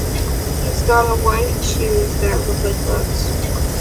He's got on white shoes that look like gloves.